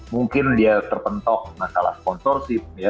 mungkin dia terpentok masalah sponsorship ya